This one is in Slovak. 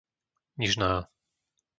Nižná